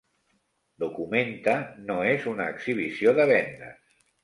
"Documenta" no és una exhibició de vendes.